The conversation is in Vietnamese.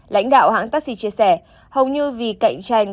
lãnh đạo hãng taxi chia sẻ hầu như vì cạnh tranh